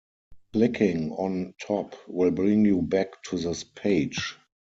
Clicking on "Top" will bring you back to this page.